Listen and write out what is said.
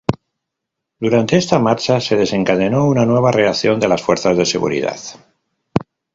Durante esta marcha se desencadenó una nueva reacción de las fuerzas de seguridad.